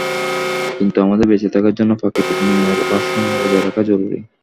কিন্তু আমাদের বেঁচে থাকার জন্য প্রাকৃতিক নিয়মের ভারসাম্য বজায় রাখা জরুরি।